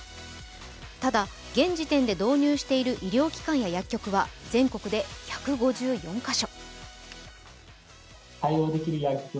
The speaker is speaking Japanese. ただ、現時点で導入している医療機関や薬局は全国で１５４か所。